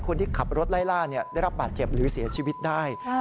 คนที่ขับรถไล่ล่าได้รับบาดเจ็บหรือเสียชีวิตได้